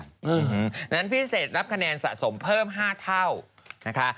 ดังนั้นพี่เศษรับคะแนนสะสมเพิ่ม๕เท่านะคะ